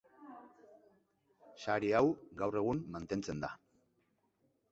Sari hau gaur-egun mantentzen da.